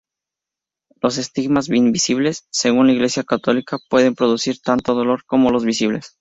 Los estigmas invisibles, según la Iglesia católica, pueden producir tanto dolor como los visibles.